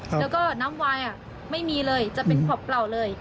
แล้วก็น้ำวายไม่มีเลยจะเป็นขอบเปล่าเลย